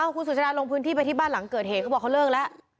คุณสุชาดาลงพื้นที่ไปที่บ้านหลังเกิดเหตุเขาบอกเขาเลิกแล้ว